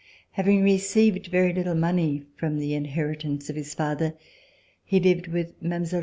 Having received very little money from the inheritance of his father, he lived with Mile.